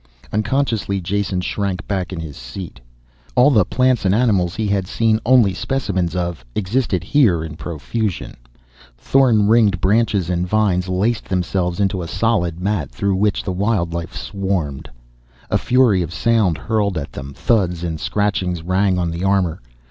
Unconsciously Jason shrank back in his seat. All the plants and animals he had seen only specimens of, existed here in profusion. Thorn ringed branches and vines laced themselves into a solid mat, through which the wild life swarmed. A fury of sound hurled at them, thuds and scratchings rang on the armor.